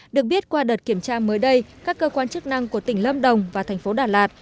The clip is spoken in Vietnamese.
được biết qua đợt kiểm tra mới đây các cơ quan chức năng của tỉnh lâm đồng và thành phố đà lạt